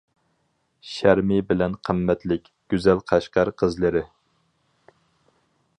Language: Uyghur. شەرمى بىلەن قىممەتلىك، گۈزەل قەشقەر قىزلىرى.